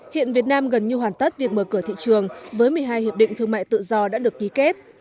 hiện việt nam gần như hoàn tất việc mở cửa thị trường với một mươi hai hiệp định thương mại tự do đã được ký kết